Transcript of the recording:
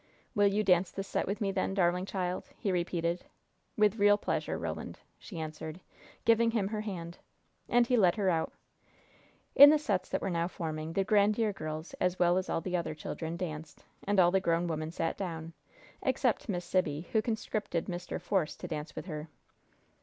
"Will you dance this set with me, then, darling child?" he repeated. "With real pleasure, Roland," she answered, giving him her hand. And he led her out. In the sets that were now forming, the Grandiere girls, as well as all the other children, danced, and all the grown women sat down, except Miss Sibby, who conscripted Mr. Force to dance with her.